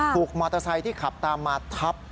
ถูกมอเตอร์ไซค์ที่ขับตามมาทับ